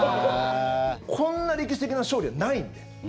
こんなに歴史的な勝利はないので。